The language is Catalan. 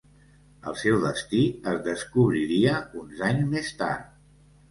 El seu destí es descobriria uns anys més tard.